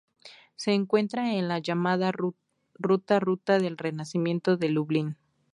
Se encuentra en la llamada ruta Ruta del Renacimiento de Lublin.